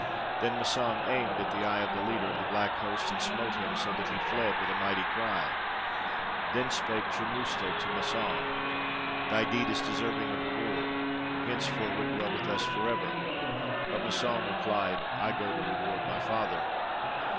Then Massang aimed at the eye of the leader of the black host, and smote him, so that he fled with a mighty cry. Then spake Churmusta to Massang, 'Thy deed is deserving of reward; henceforward dwell with us for ever.' But Massang replied, 'I go to reward my father.'